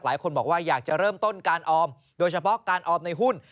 หลายคนบอกว่าอยากจะเริ่มต้นการออมโดยเฉพาะการออมในหุ้น